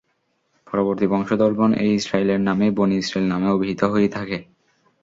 পরবর্তী বংশধরগণ এই ইসরাঈলের নামেই বনী ইসরাঈল নামে অভিহিত হয়ে থাকে।